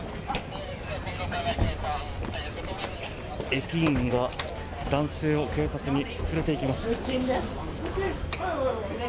駅員が男性を警察に連れていきます。